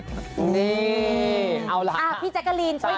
พี่แจ๊กกาลีน